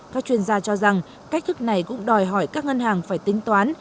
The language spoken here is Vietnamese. các chuyên gia cho rằng cách thức này cũng đòi hỏi các ngân hàng phải tính toán